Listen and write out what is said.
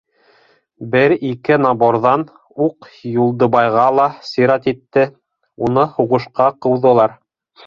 Бер-ике наборҙан уҡ Юлдыбайға ла сират етте - уны һуғышҡа ҡыуҙылар.